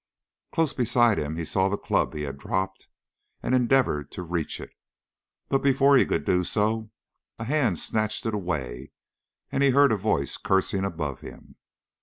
Close beside him he saw the club he had dropped, and endeavored to reach it; but before he could do so, a hand snatched it away and he heard a voice cursing above him.